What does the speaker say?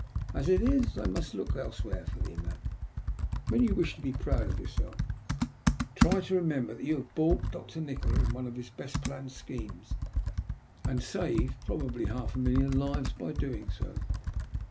As it is, I must look elsewhere for the amount. When you wish to be proud of yourself, try to remember that you have baulked Dr. Nikola in one of his best planned schemes, and saved probably half a million lives by doing so.